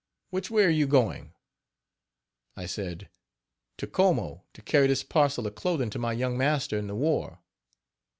which way are you going." I said "to Como, to carry this parcel of clothing to my young master in the war.